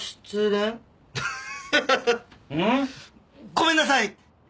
ごめんなさい！